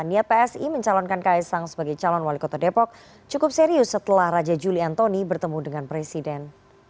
niat psi mencalonkan kaisang sebagai calon wali kota depok cukup serius setelah raja juli antoni bertemu dengan presiden